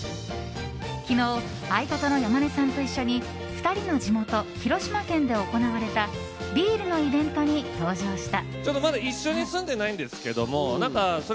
昨日、相方の山根さんと一緒に２人の地元・広島県で行われたビールのイベントに登場した。